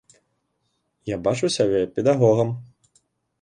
Я бачу сябе педагогам.